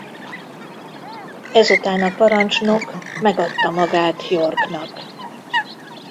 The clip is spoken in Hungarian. Ezután a parancsnok megadta magát Yorknak.